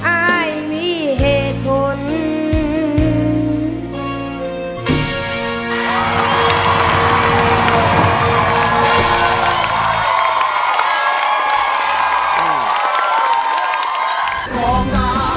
อายมีเหตุผล